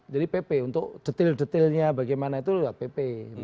jadi pp untuk detail detailnya bagaimana itu lewat pp